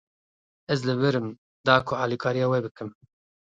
Ez li vir im, da ku alîkariya we bikim.